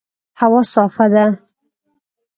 هوا صافه ده